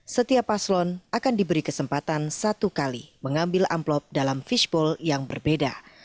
setiap paslon akan diberi kesempatan satu kali mengambil amplop dalam fishbowl yang berbeda